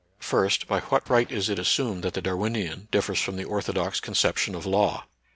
First, by what right is it assumed that the Darwinian differs from the orthodox conception of law?